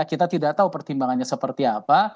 kita tidak tahu pertimbangannya seperti apa